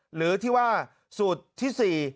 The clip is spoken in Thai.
หรือที่ว่าสูตรที่๔